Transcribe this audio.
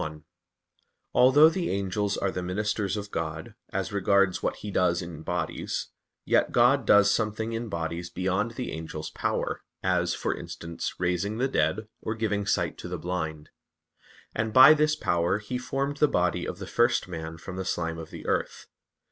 1: Although the angels are the ministers of God, as regards what He does in bodies, yet God does something in bodies beyond the angels' power, as, for instance, raising the dead, or giving sight to the blind: and by this power He formed the body of the first man from the slime of the earth.